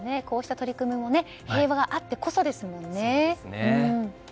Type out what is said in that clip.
こうした取り組みも平和があってこそですものね。